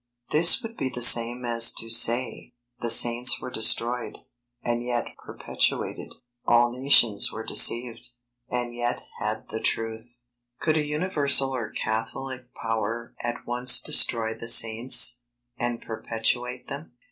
This would be the same as to say, the Saints were destroyed, and yet perpetuated; all nations were deceived, and yet had the truth. Could a universal or catholic power at once destroy the Saints, and perpetuate them?